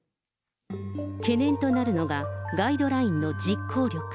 懸念となるのがガイドラインの実行力。